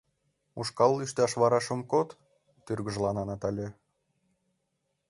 — Ушкал лӱшташ вараш ом код? — тургыжлана Натале.